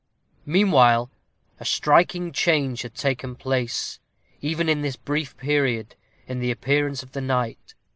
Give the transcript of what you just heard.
Meanwhile, a striking change had taken place, even in this brief period, in the appearance of the night.